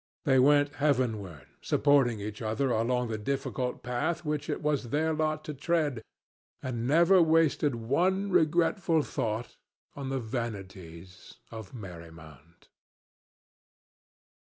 They went heavenward supporting each other along the difficult path which it was their lot to tread, and never wasted one regretful thought on the vanities of Merry Mount.